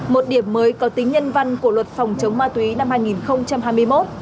một điểm mới có tính nhân văn của luật phòng chống ma túy năm hai nghìn hai mươi một